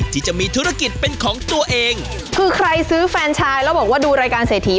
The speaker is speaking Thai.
ที่จะมีธุรกิจเป็นของตัวเองคือใครซื้อแฟนชายแล้วบอกว่าดูรายการเศรษฐี